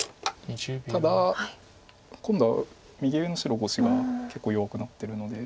ただ今度は右上の白５子が結構弱くなってるので。